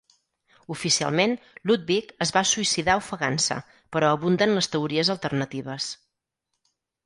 Oficialment, Ludwig es va suïcidar ofegant-se, però abunden les teories alternatives.